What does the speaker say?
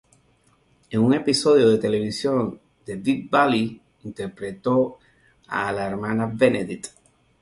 En un episodio de televisión, "The Big Valley", interpretó a la Hermana Benedict.